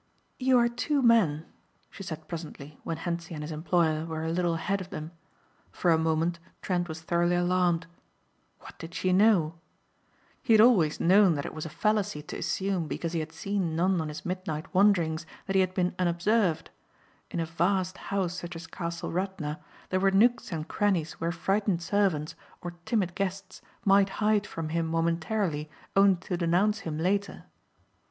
"You are two men," she said presently when Hentzi and his employer were a little ahead of them. For a moment Trent was thoroughly alarmed. What did she know? He had always known that it was a fallacy to assume because he had seen none on his midnight wanderings that he had been unobserved. In a vast house such as Castle Radna there were nooks and crannies where frightened servants or timid guests might hide from him momentarily only to denounce him later.